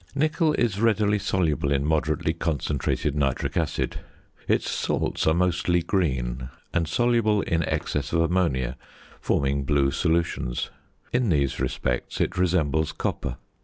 Nickel is readily soluble in moderately concentrated nitric acid. Its salts are mostly green, and soluble in excess of ammonia, forming blue solutions; in these respects it resembles copper.